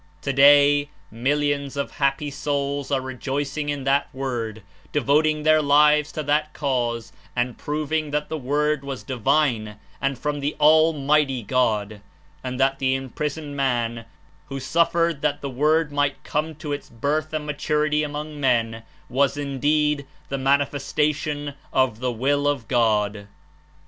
Today, millions of happy souls are rejoicing in that Word, devoting their lives to that Cause and proving that the Word was divine and from the Almighty God, and that the imprisoned man, who suffered that the Word might come to its new birth and maturity among men, was indeed the Manifestation of the Will of God.